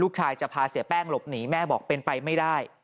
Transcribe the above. จะพาเสียแป้งหลบหนีแม่บอกเป็นไปไม่ได้